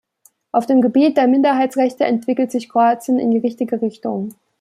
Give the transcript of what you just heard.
Auf dem Gebiet der Minderheitenrechte entwickelt sich Kroatien in die richtige Richtung.